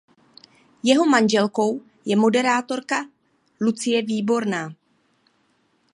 Jeho manželkou je moderátorka Lucie Výborná.